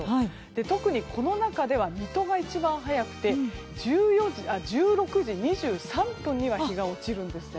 特に、この中では水戸が一番早くて１６時２３分には日が落ちるんですね。